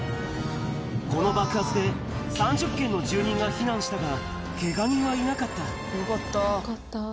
この爆発で、３０軒の住人が避難したが、けが人はいなかった。